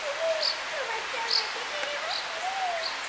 つかまっちゃうなんててれますねえ。